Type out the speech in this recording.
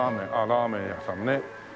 ラーメン屋さんね。